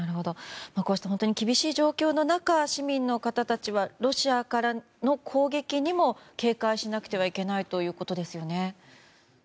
こうした厳しい状況の中市民の方たちはロシアからの攻撃にも警戒しなくてはいけないということですよね。